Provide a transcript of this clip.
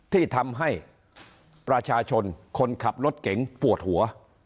ที่ทำให้ประชาชนคนขับรถเก๋งปวดหัว